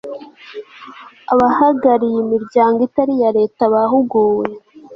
abahagariye imiryango itari iya leta bahuguwe